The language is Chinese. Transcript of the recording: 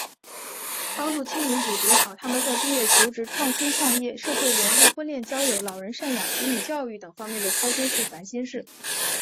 帮助青年解决好他们在毕业求职、创新创业、社会融入、婚恋交友、老人赡养、子女教育等方面的操心事、烦心事……